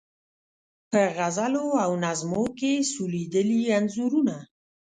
په غزلو او نظمو کې سولیدلي انځورونه